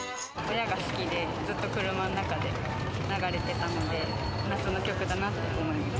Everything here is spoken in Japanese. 親が好きで、ずっと車ん中で流れてたので、夏の曲だなって思います。